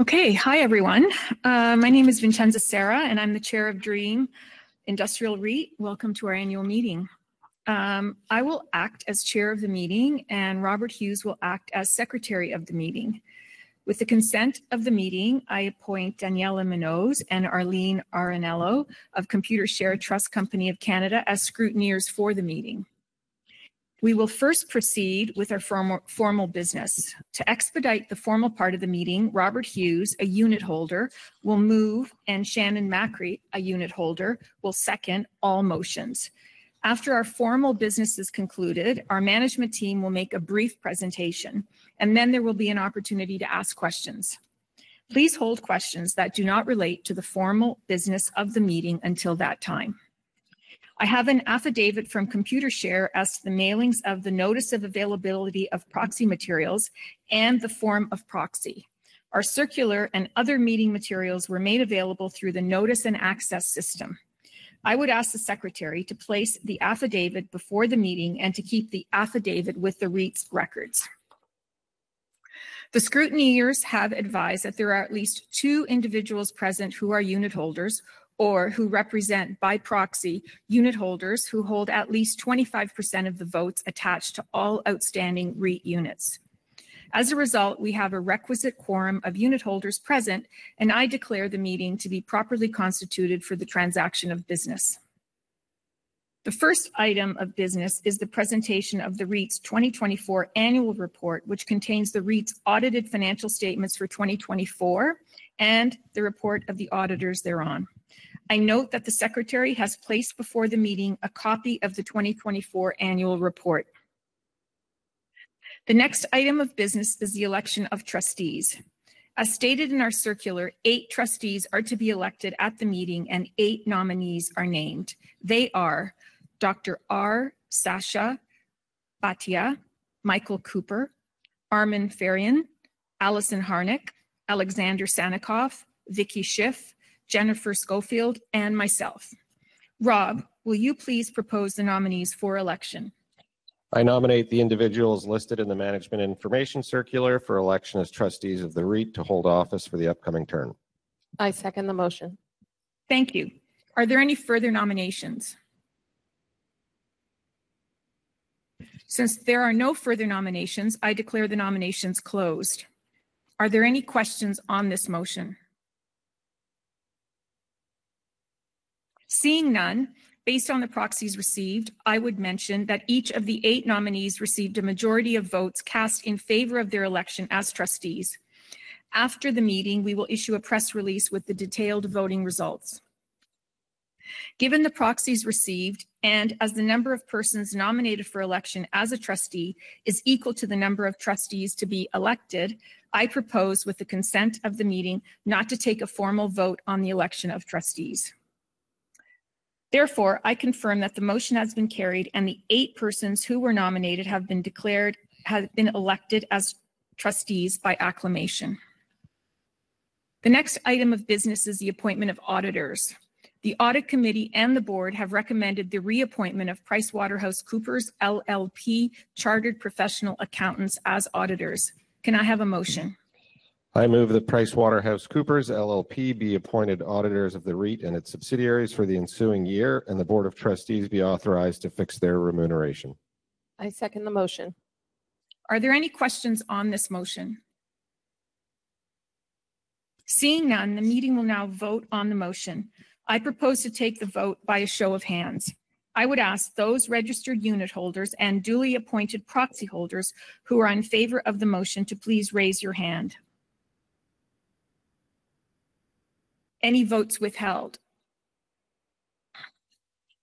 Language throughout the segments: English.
Okay, hi everyone. My name is Vincenza Sera, and I'm the Chair of Dream Industrial REIT. Welcome to our annual meeting. I will act as Chair of the meeting, and Robert Hughes will act as Secretary of the meeting. With the consent of the meeting, I appoint Daniela Munoz and Arlene Arenello of Computershare Trust Company of Canada as Scrutineers for the meeting. We will first proceed with our formal business. To expedite the formal part of the meeting, Robert Hughes, a unit holder, will move, and Shannon Macri, a unit holder, will second all motions. After our formal business is concluded, our management team will make a brief presentation, and then there will be an opportunity to ask questions. Please hold questions that do not relate to the formal business of the meeting until that time.I have an affidavit from Computershare as to the mailings of the Notice of Availability of Proxy Materials and the form of proxy. Our circular and other meeting materials were made available through the Notice and Access System. I would ask the Secretary to place the affidavit before the meeting and to keep the affidavit with the REIT's records. The scrutineers have advised that there are at least two individuals present who are unit holders or who represent by proxy unit holders who hold at least 25% of the votes attached to all outstanding REIT units. As a result, we have a requisite quorum of unit holders present, and I declare the meeting to be properly constituted for the transaction of business. The first item of business is the presentation of the REIT's 2024 annual report, which contains the REIT's Audited financial statements for 2024 and the report of the auditors thereon. I note that the Secretary has placed before the meeting a copy of the 2024 annual report. The next item of business is the election of trustees. As stated in our circular, eight trustees are to be elected at the meeting, and eight nominees are named. They are Dr. R. Sacha Bhatia, Michael Cooper, Armen Farian, Alison Harnick, Alexander Sannikov, Vicky Schiff, Jennifer Schofield, and myself. Rob, will you please propose the nominees for election? I nominate the individuals listed in the Management Information Circular for election as trustees of the REIT to hold office for the upcoming term. I second the motion. Thank you. Are there any further nominations? Since there are no further nominations, I declare the nominations closed. Are there any questions on this motion? Seeing none, based on the proxies received, I would mention that each of the eight nominees received a majority of votes cast in favor of their election as trustees. After the meeting, we will issue a press release with the detailed voting results. Given the proxies received and as the number of persons nominated for election as a trustee is equal to the number of trustees to be elected, I propose, with the consent of the meeting, not to take a formal vote on the election of trustees. Therefore, I confirm that the motion has been carried and the eight persons who were nominated have been declared elected as trustees by Acclamation. The next item of business is the appointment of auditors. The audit committee and the board have recommended the reappointment of PricewaterhouseCoopers LLP Chartered Professional Accountants as auditors. Can I have a motion? I move that PricewaterhouseCoopers LLP be appointed auditors of the REIT and its subsidiaries for the ensuing year, and the Board of trustees be authorized to fix their remuneration. I second the motion. Are there any questions on this motion? Seeing none, the meeting will now vote on the motion. I propose to take the vote by a show of hands. I would ask those registered unit holders and duly appointed proxy holders who are in favor of the motion to please raise your hand. Any votes withheld?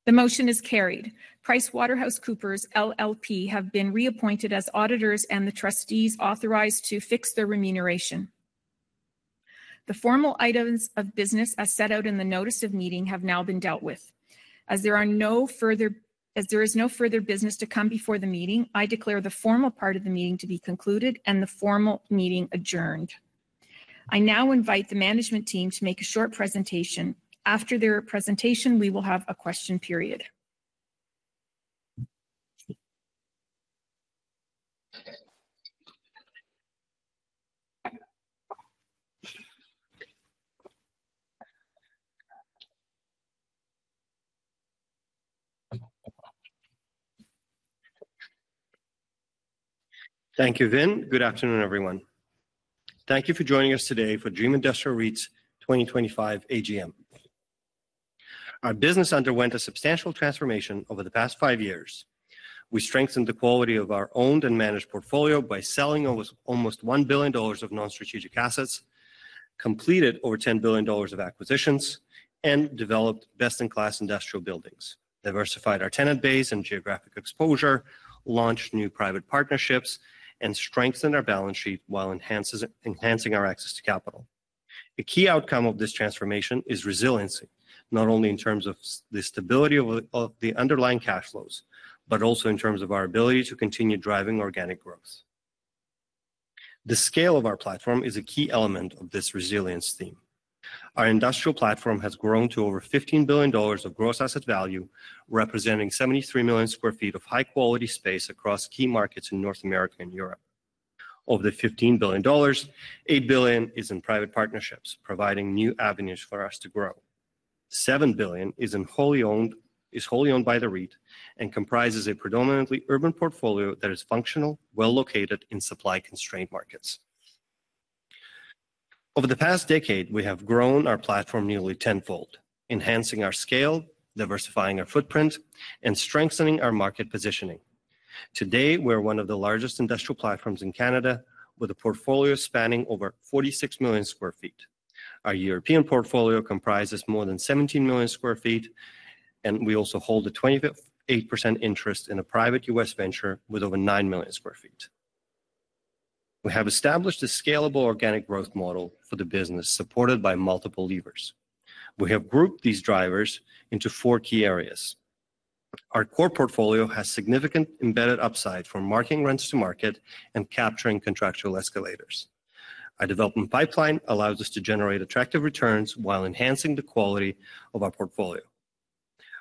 The motion is carried. PricewaterhouseCoopers LLP have been reappointed as auditors and the trustees authorized to fix their remuneration. The formal items of business as set out in the Notice of Meeting have now been dealt with. As there is no further business to come before the meeting, I declare the formal part of the meeting to be concluded and the formal meeting adjourned. I now invite the management team to make a short presentation. After their presentation, we will have a question period. Thank you then. Good afternoon, everyone. Thank you for joining us today for Dream Industrial REIT's 2025 AGM. Our business underwent a substantial transformation over the past five years. We strengthened the quality of our owned and managed portfolio by selling almost 1 billion dollars of non-strategic assets, completed over 10 billion dollars of acquisitions, and developed best-in-class industrial buildings, diversified our tenant base and geographic exposure, launched new private partnerships, and strengthened our balance sheet while enhancing our access to capital. A key outcome of this transformation is resiliency, not only in terms of the stability of the underlying cash flows, but also in terms of our ability to continue driving organic growth. The scale of our platform is a key element of this resilience theme. Our industrial platform has grown to over 15 billion dollars of gross asset value, representing 73 million sq ft of high-quality space across key markets in North America and Europe. Of the 15 billion dollars, 8 billion is in private partnerships, providing new avenues for us to grow. 7 billion is wholly owned by the REIT and comprises a predominantly urban portfolio that is functional, well-located in supply-constrained markets. Over the past decade, we have grown our platform nearly tenfold, enhancing our scale, diversifying our footprint, and strengthening our market positioning. Today, we are one of the largest industrial platforms in Canada, with a portfolio spanning over 46 million sq ft. Our European portfolio comprises more than 17 million sq ft, and we also hold a 28% interest in a private U.S. venture with over 9 million sq ft.We have established a scalable organic growth model for the business, supported by multiple levers. We have grouped these drivers into four key areas. Our core portfolio has significant embedded upside for marking rents to market and capturing contractual escalators. Our development pipeline allows us to generate attractive returns while enhancing the quality of our portfolio.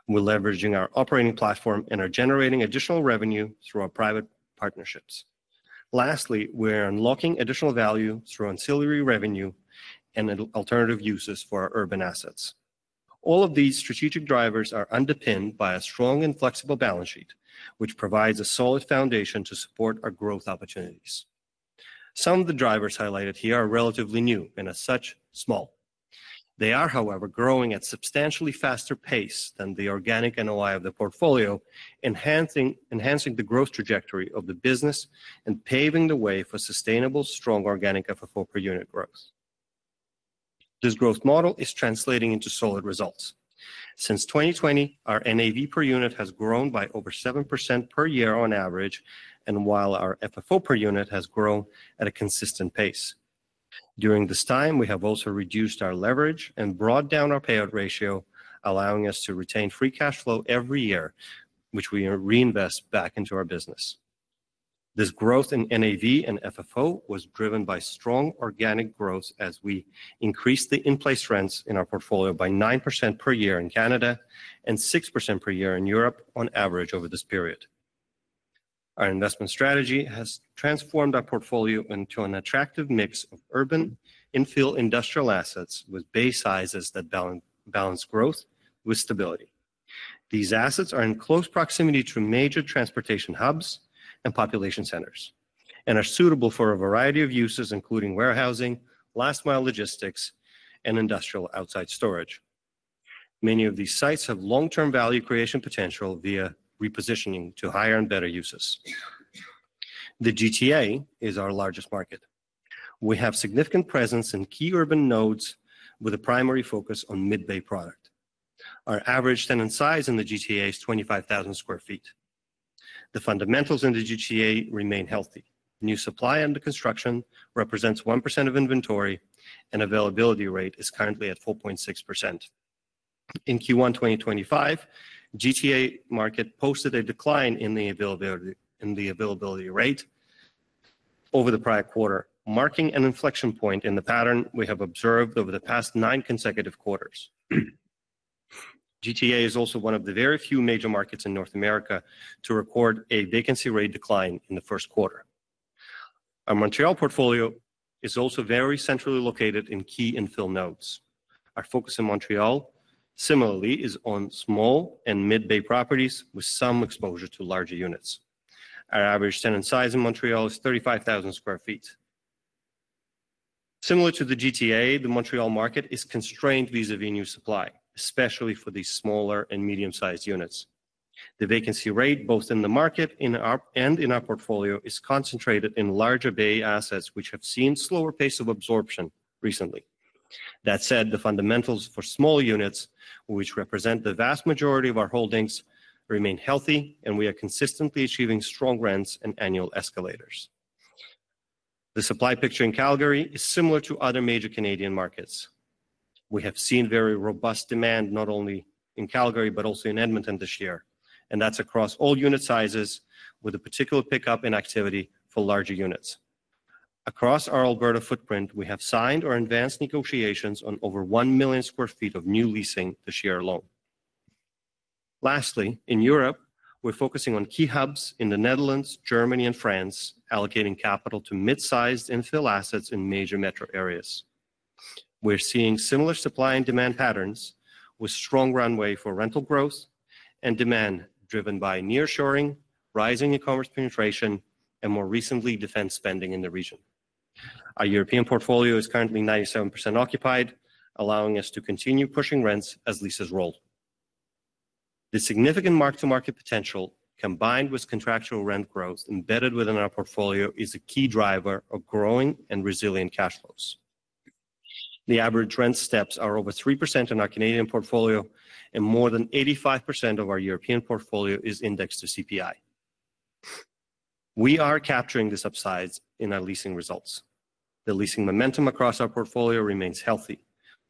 We're leveraging our operating platform and are generating additional revenue through our private partnerships. Lastly, we're unlocking additional value through Ancillary revenue and alternative uses for our urban assets. All of these strategic drivers are underpinned by a strong and flexible balance sheet, which provides a solid foundation to support our growth opportunities. Some of the drivers highlighted here are relatively new and are such small. They are, however, growing at a substantially faster pace than the organic NOI of the portfolio, enhancing the growth trajectory of the business and paving the way for sustainable, strong organic FFO per unit growth. This growth model is translating into solid results. Since 2020, our NAV per unit has grown by over 7% per year on average, and while our FFO per unit has grown at a consistent pace. During this time, we have also reduced our leverage and brought down our payout ratio, allowing us to retain free cash flow every year, which we reinvest back into our business. This growth in NAV and FFO was driven by strong organic growth as we increased the in-place rents in our portfolio by 9% per year in Canada and 6% per year in Europe on average over this period. Our investment strategy has transformed our portfolio into an attractive mix of urban infill industrial assets with bay sizes that balance growth with stability. These assets are in close proximity to major transportation hubs and population centers and are suitable for a variety of uses, including warehousing, last-mile logistics, and industrial outside storage. Many of these sites have long-term value creation potential via repositioning to higher and better uses. The GTA is our largest market. We have significant presence in key urban nodes with a primary focus on mid-bay product. Our average tenant size in the GTA is 25,000 sq ft. The fundamentals in the GTA remain healthy. New supply under construction represents 1% of inventory, and availability rate is currently at 4.6%.In Q1 2025, GTA market posted a decline in the availability rate over the prior quarter, marking an inflection point in the pattern we have observed over the past nine consecutive quarters. GTA is also one of the very few major markets in North America to record a vacancy rate decline in the first quarter. Our Montreal portfolio is also very centrally located in key infill nodes. Our focus in Montreal, similarly, is on small and mid-bay properties with some exposure to larger units. Our average tenant size in Montreal is 35,000 sq ft. Similar to the GTA, the Montreal market is constrained vis-à-vis new supply, especially for the smaller and medium-sized units. The vacancy rate, both in the market and in our portfolio, is concentrated in larger bay assets, which have seen slower pace of absorption recently. That said, the fundamentals for small units, which represent the vast majority of our holdings, remain healthy, and we are consistently achieving strong rents and annual escalators. The supply picture in Calgary is similar to other major Canadian markets. We have seen very robust demand not only in Calgary but also in Edmonton this year, and that is across all unit sizes, with a particular pickup in activity for larger units. Across our Alberta footprint, we have signed or advanced negotiations on over 1 million sq ft of new leasing this year alone. Lastly, in Europe, we are focusing on key hubs in the Netherlands, Germany, and France, allocating capital to mid-sized infill assets in major metro areas. We are seeing similar supply and demand patterns with strong runway for rental growth and demand driven by nearshoring, rising e-commerce penetration, and more recently, defense spending in the region. Our European portfolio is currently 97% occupied, allowing us to continue pushing rents as leases roll. The significant mark-to-market potential, combined with contractual rent growth embedded within our portfolio, is a key driver of growing and resilient cash flows. The average rent steps are over 3% in our Canadian portfolio, and more than 85% of our European portfolio is indexed to CPI. We are capturing the subsidies in our leasing results. The leasing momentum across our portfolio remains healthy,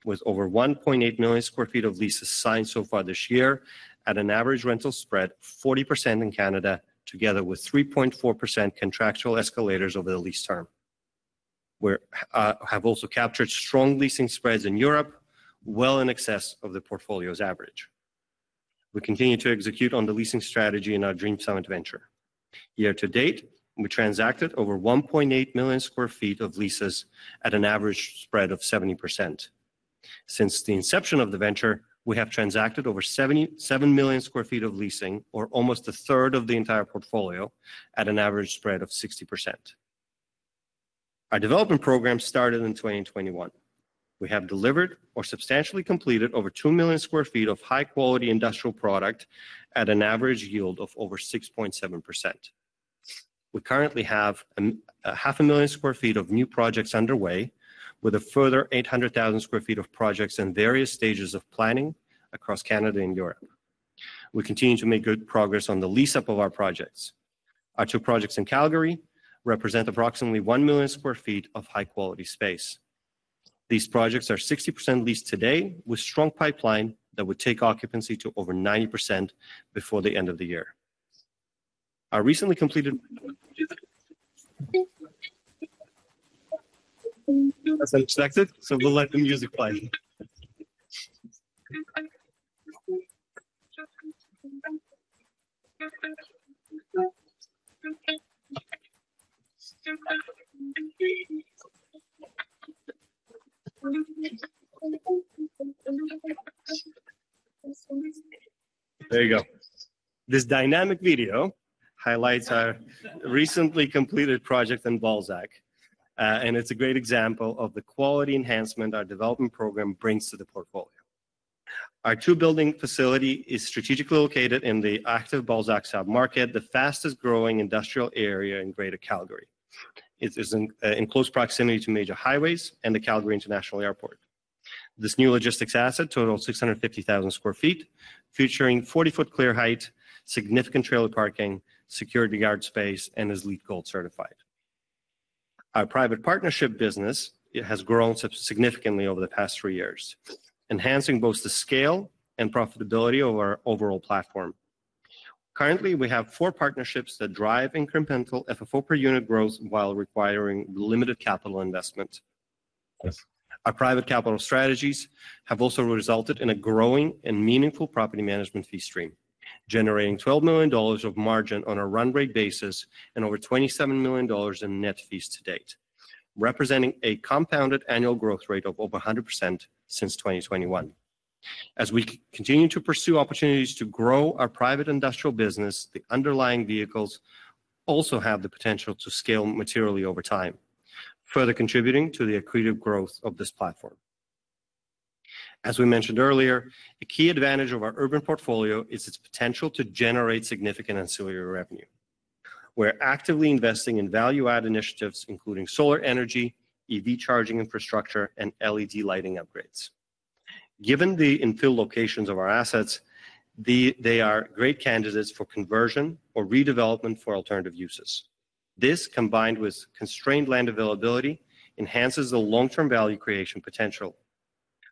with over 1.8 million sq ft of leases signed so far this year at an average rental spread of 40% in Canada, together with 3.4% contractual escalators over the lease term. We have also captured strong leasing spreads in Europe, well in excess of the portfolio's average. We continue to execute on the leasing strategy in our Dream Summit Venture.Year to date, we transacted over 1.8 million sq ft of leases at an average spread of 70%. Since the inception of the venture, we have transacted over 7 million sq ft of leasing, or almost a third of the entire portfolio, at an average spread of 60%. Our development program started in 2021. We have delivered or substantially completed over 2 million sq ft of high-quality industrial product at an average yield of over 6.7%. We currently have 500,000 sq ft of new projects underway, with a further 800,000 sq ft of projects in various stages of planning across Canada and Europe. We continue to make good progress on the lease-up of our projects. Our two projects in Calgary represent approximately 1 million sq ft of high-quality space. These projects are 60% leased today, with a strong pipeline that would take occupancy to over 90% before the end of the year. Our recently completed. As expected, so we'll let the music play. There you go. This dynamic video highlights our recently completed project in Balzac, and it is a great example of the quality enhancement our development program brings to the portfolio. Our two-building facility is strategically located in the active Balzac submarket, the fastest-growing industrial area in Greater Calgary. It is in close proximity to major highways and the Calgary International Airport. This new logistics asset totals 650,000 sq ft, featuring 40 ft clear height, significant trailer parking, security guard space, and is LEED Gold certified. Our private partnership business has grown significantly over the past three years, enhancing both the scale and profitability of our overall platform. Currently, we have four partnerships that drive incremental FFO per unit growth while requiring limited capital investment. Our private capital strategies have also resulted in a growing and meaningful property management fee stream, generating 12 million dollars of margin on a run rate basis and over 27 million dollars in net fees to date, representing a compounded annual growth rate of over 100% since 2021. As we continue to pursue opportunities to grow our private industrial business, the underlying vehicles also have the potential to scale materially over time, further contributing to the accretive growth of this platform. As we mentioned earlier, a key advantage of our urban portfolio is its potential to generate significant ancillary revenue. We're actively investing in value-add initiatives, including Solar energy, EV charging infrastructure, and LED lighting upgrades. Given the infill locations of our assets, they are great candidates for conversion or redevelopment for alternative uses. This, combined with constrained land availability, enhances the long-term value creation potential.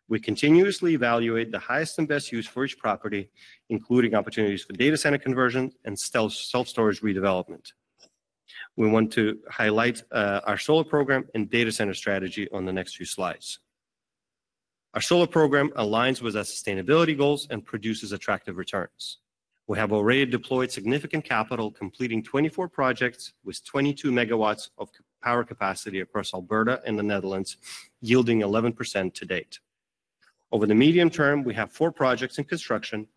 We continuously evaluate the highest and best use for each property, including opportunities for Data center conversion and self-storage redevelopment. We want to highlight our solar program and data center strategy on the next few slides. Our solar program aligns with our sustainability goals and produces attractive returns. We have already deployed significant capital, completing 24 projects with 22 MW of power capacity across Alberta and the Netherlands, yielding 11% to date. Over the medium term, we have four projects in construction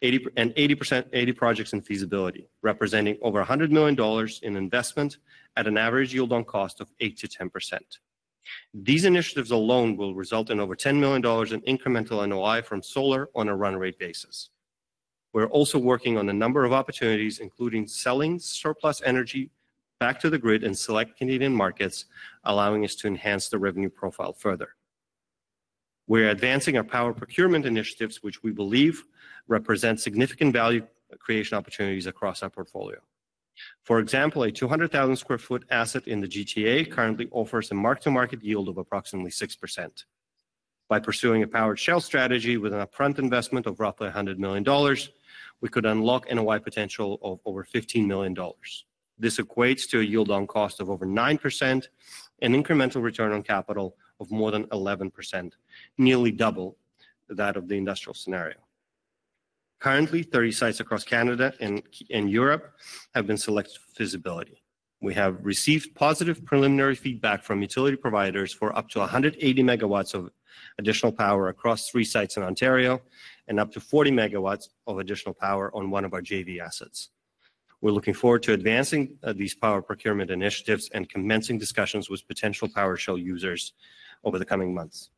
and 80% of projects in feasibility, representing over 100 million dollars in investment at an average yield on cost of 8-10%. These initiatives alone will result in over 10 million dollars in incremental NOI from solar on a run rate basis. We're also working on a number of opportunities, including selling surplus energy back to the grid in select Canadian markets, allowing us to enhance the revenue profile further. We're advancing our power procurement initiatives, which we believe represent significant value creation opportunities across our portfolio. For example, a 200,000 sq ft asset in the GTA currently offers a mark-to-market yield of approximately 6%. By pursuing a powered shell strategy with an upfront investment of roughly 100 million dollars, we could unlock NOI potential of over 15 million dollars. This equates to a yield on cost of over 9% and incremental return on capital of more than 11%, nearly double that of the industrial scenario. Currently, 30 sites across Canada and Europe have been selected for feasibility. We have received positive preliminary feedback from utility providers for up to 180 MW of additional power across three sites in Ontario and up to 40 MW of additional power on one of our JV assets. We're looking forward to advancing these power procurement initiatives and commencing discussions with potential PowerShell users over the coming months.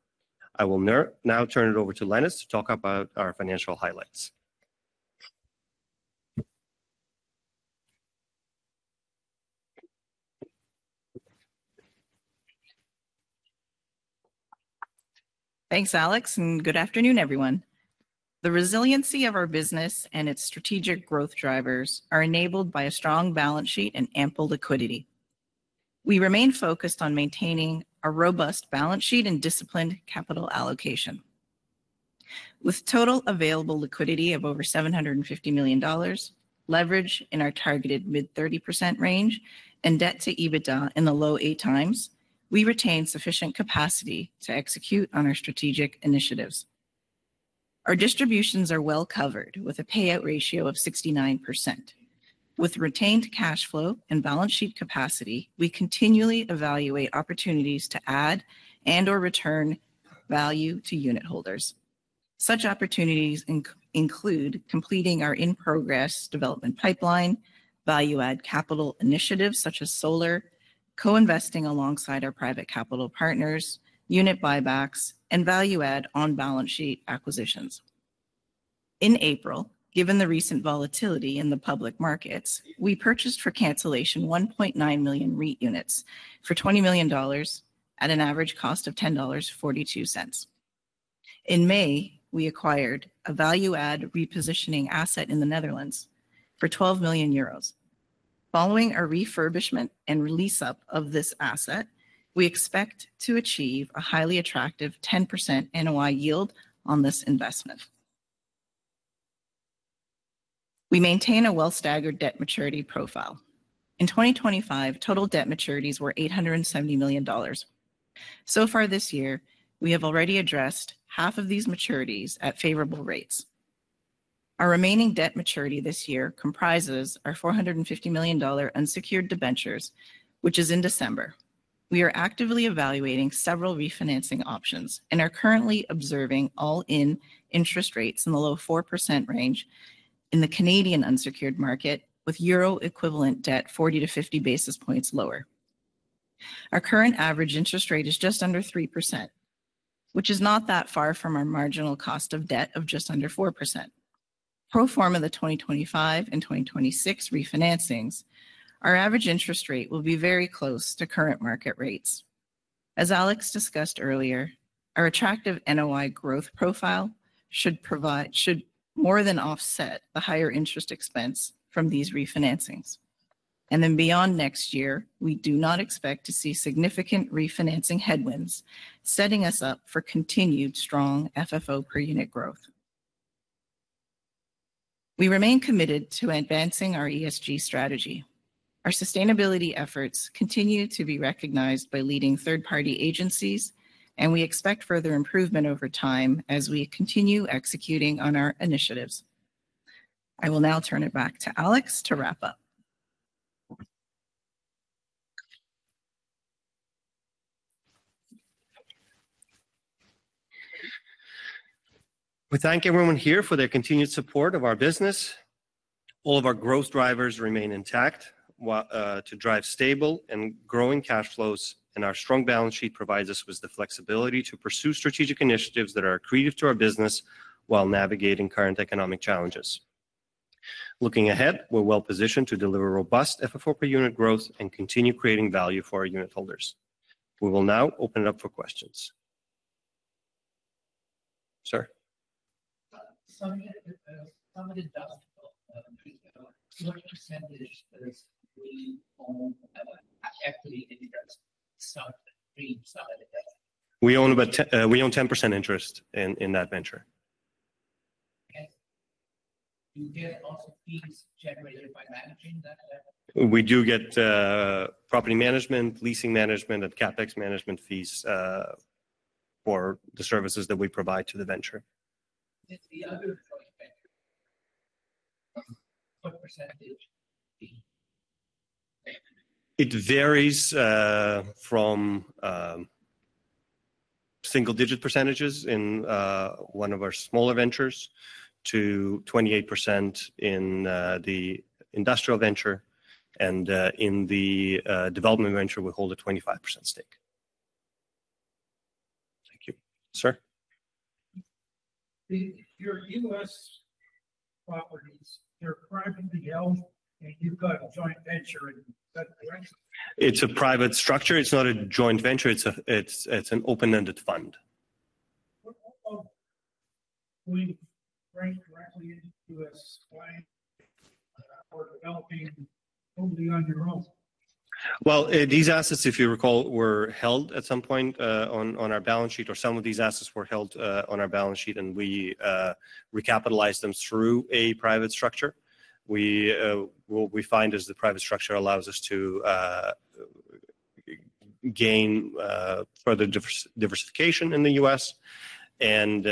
I will now turn it over to Lenis to talk about our financial highlights. Thanks, Alex, and good afternoon, everyone. The resiliency of our business and its strategic growth drivers are enabled by a strong balance sheet and ample liquidity. We remain focused on maintaining a robust balance sheet and disciplined capital allocation. With total available liquidity of over 750 million dollars, leverage in our targeted mid-30% range, and debt to EBITDA in the low 8 times, we retain sufficient capacity to execute on our strategic initiatives. Our distributions are well covered with a payout ratio of 69%. With retained cash flow and balance sheet capacity, we continually evaluate opportunities to add and/or return value to unit holders. Such opportunities include completing our in-progress development pipeline, value-add capital initiatives such as solar, co-investing alongside our private capital partners, unit buybacks, and value-add on balance sheet acquisitions. In April, given the recent volatility in the public markets, we purchased for cancellation 1.9 million REIT units for 20 million dollars at an average cost of 10.42 dollars. In May, we acquired a value-add repositioning asset in the Netherlands for 12 million euros. Following a refurbishment and re-lease-up of this asset, we expect to achieve a highly attractive 10% NOI yield on this investment. We maintain a well-staggered debt maturity profile. In 2025, total debt maturities were 870 million dollars. So far this year, we have already addressed half of these maturities at favorable rates. Our remaining debt maturity this year comprises our 450 million dollar unsecured Debentures, which is in December. We are actively evaluating several refinancing options and are currently observing all-in interest rates in the low 4% range in the Canadian unsecured market, with euro-equivalent debt 40-50 basis points lower. Our current average interest rate is just under 3%, which is not that far from our marginal cost of debt of just under 4%. Pro forma the 2025 and 2026 refinancings, our average interest rate will be very close to current market rates. As Alex discussed earlier, our attractive NOI growth profile should more than offset the higher interest expense from these refinancings. Beyond next year, we do not expect to see significant refinancing headwinds setting us up for continued strong FFO per unit growth. We remain committed to advancing our ESG strategy. Our sustainability efforts continue to be recognized by leading third-party agencies, and we expect further improvement over time as we continue executing on our initiatives. I will now turn it back to Alex to wrap up. We thank everyone here for their continued support of our business. All of our growth drivers remain intact to drive stable and growing cash flows, and our strong balance sheet provides us with the flexibility to pursue strategic initiatives that are accretive to our business while navigating current economic challenges. Looking ahead, we're well positioned to deliver robust FFO per unit growth and continue creating value for our unit holders. We will now open it up for questions. Sir. We own about 10% interest in that venture. Do you get also fees generated by managing that? We do get property management, leasing management, and CapEx management fees for the services that we provide to the venture. Is the other joint venture what percentage? It varies from single-digit percentages in one of our smaller ventures to 28% in the industrial venture, and in the development venture, we hold a 25% stake. Thank you. Sir? Your U.S. properties, they're privately held, and you've got a joint venture. It's a private structure. It's not a joint venture. It's an open-ended fund. What about going directly into U.S. clients or developing totally on your own? These assets, if you recall, were held at some point on our balance sheet, or some of these assets were held on our balance sheet, and we recapitalized them through a private structure. What we find is the private structure allows us to gain further diversification in the U.S. and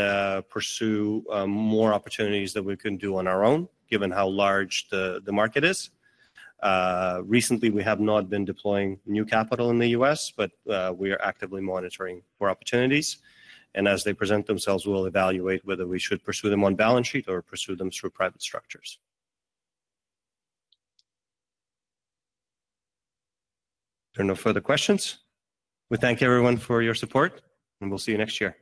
pursue more opportunities that we could do on our own, given how large the market is. Recently, we have not been deploying new capital in the U.S., but we are actively monitoring for opportunities. As they present themselves, we'll evaluate whether we should pursue them on balance sheet or pursue them through private structures. There are no further questions. We thank everyone for your support, and we'll see you next year.